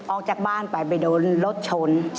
ออกจากบ้านไปไปโดนรถชน